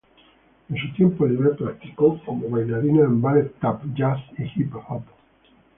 En su tiempo libre practicó como bailarina en Ballet, Tap, Jazz y Hip-Hop.